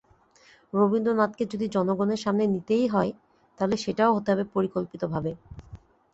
রবীন্দ্রনাথকে যদি জনগণের সামনে নিতেই হয়, তাহলে সেটাও হতে হবে পরিকল্পিতভাবে।